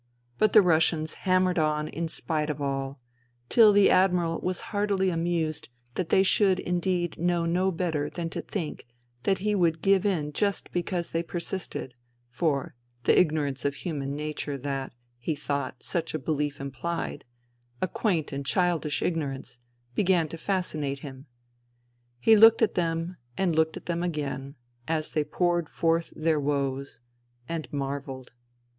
But the Russians hammered on in spite of all ; till the Admiral was heartily amused that they should indeed know no better than to think that he would give in just because they per sisted, for, the ignorance of human nature that, he thought, such a belief implied — a quaint and childish ignorance — began to fascinate him. He looked at them and looked at them again, as they poured forth their woes .. .and marvelled.